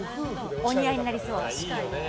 お似合いになりそう。